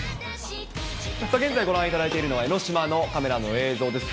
さあ現在、ご覧いただいているのは江の島のカメラの映像です。